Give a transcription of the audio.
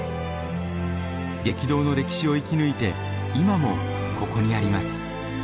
激動の歴史を生き抜いて今もここにあります。